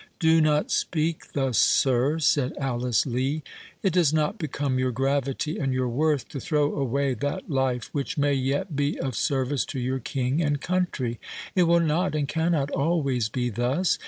"Do not speak thus, sir," said Alice Lee; "it does not become your gravity and your worth to throw away that life which may yet be of service to your king and country,—it will not and cannot always be thus.